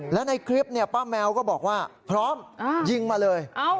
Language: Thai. แล้วในคลิปเนี่ยป้าแมวก็บอกว่าพร้อมอ่ายิงมาเลยเอา